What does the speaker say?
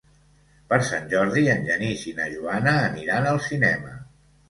Per Sant Jordi en Genís i na Joana aniran al cinema.